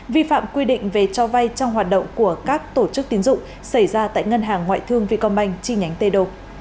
vi phạm quy định về cho vay trong hoạt động của các tổ chức tiến dụng xảy ra tại ngân hàng ngoại thương vietcombank chi nhánh tđ